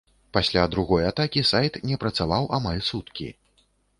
Пасля другой атакі сайт не працаваў амаль суткі.